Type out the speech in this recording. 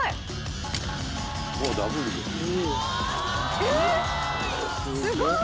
えっすごい！